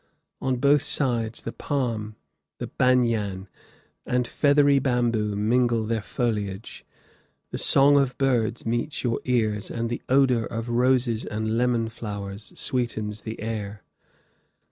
On both sides, the palm, the banyan, and feathery bamboo mingle their foliage; the song of birds meets your ears, and the odor of roses and lemon flowers sweetens the air.